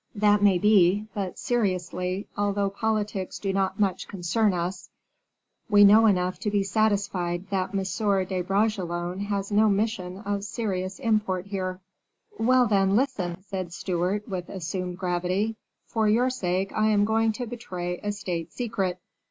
"That may be; but, seriously, although politics do not much concern us, we know enough to be satisfied that M. de Bragelonne has no mission of serious import here." "Well, then, listen," said Stewart, with assumed gravity, "for your sake I am going to betray a state secret.